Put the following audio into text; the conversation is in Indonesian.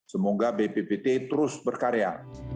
semoga bppt terus berkarya